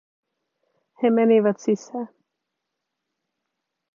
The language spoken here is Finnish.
He menivät sisään.